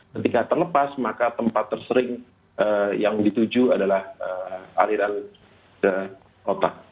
ketika terlepas maka tempat tersering yang dituju adalah aliran ke otak